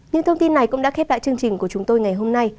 những thông tin này cũng đã khép lại chương trình của chúng tôi ngày hôm nay